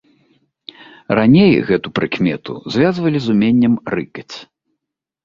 Раней гэту прыкмета звязвалі з уменнем рыкаць.